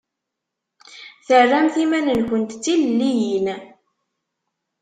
Terramt iman-nkumt d tilelliyin.